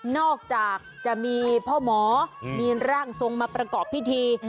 นอกจากจะมีพ่อหมอมีร่างทรงมาประกอบพิธี